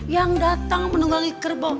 yang datang menunggangi kerbau